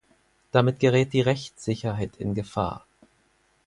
Damit gerät die Rechtssicherheit in Gefahr.